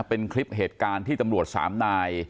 เป็นคลิปเหตุการณ์ที่ตำรวจสามนาย